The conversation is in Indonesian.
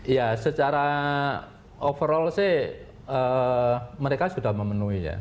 ya secara overall sih mereka sudah memenuhi ya